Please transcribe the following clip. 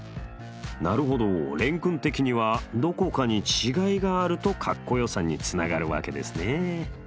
なるほど廉君的にはどこかに違いがあるとかっこよさにつながるわけですね。